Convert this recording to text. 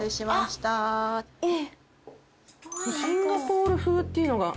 シンガポール風っていうのが。